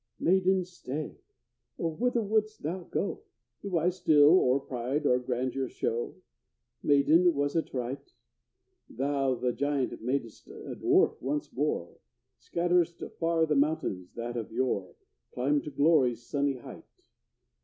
Maiden, stay! oh, whither wouldst thou go? Do I still or pride or grandeur show? Maiden, was it right? Thou the giant mad'st a dwarf once more, Scattered'st far the mountains that of yore Climbed to glory's sunny height.